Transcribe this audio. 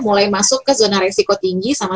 mulai masuk ke zona resiko tinggi sama